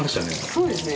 そうですね。